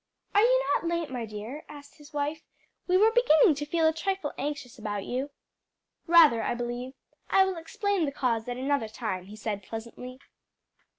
"Are you not late, my dear?" asked his wife; "we were beginning to feel a trifle anxious about you." "Rather, I believe. I will explain the cause at another time," he said pleasantly.